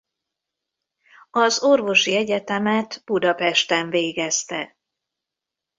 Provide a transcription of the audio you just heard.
Az orvosi egyetemet Budapesten végezte.